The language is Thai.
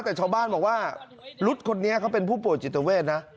แต่ชาวบ้านบอกว่ารุษคนนี้เขาเป็นผู้ป่วยจิตเวทนะ